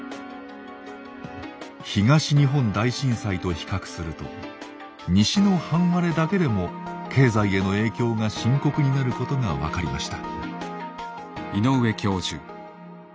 東日本大震災と比較すると西の半割れだけでも経済への影響が深刻になることが分かりました。